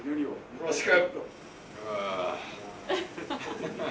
よろしく！